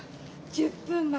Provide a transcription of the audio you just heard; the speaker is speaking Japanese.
１０分前。